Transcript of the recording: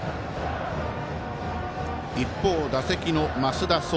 一方、打席の増田壮。